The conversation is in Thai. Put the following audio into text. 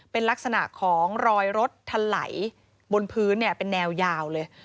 เป็นลักษณะของรอยรถทะไหลบนพื้นเป็นแนวยาวเลย